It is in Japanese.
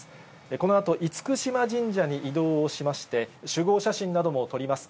このあと、厳島神社に移動をしまして、集合写真なども撮ります。